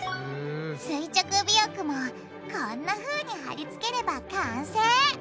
垂直尾翼もこんなふうにはりつければ完成！